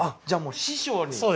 じゃあ師匠に。